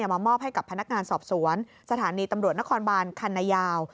มามอบให้กับพนักงานสอบสวนสถานีตำรวจนครบานคันนายาว